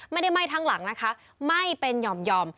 ไหม้ทั้งหลังนะคะไหม้เป็นหย่อม